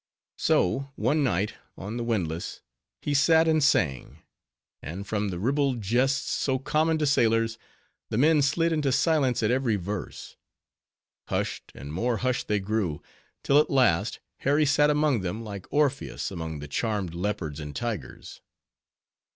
So one night, on the windlass, he sat and sang; and from the ribald jests so common to sailors, the men slid into silence at every verse. Hushed, and more hushed they grew, till at last Harry sat among them like Orpheus among the charmed leopards and tigers.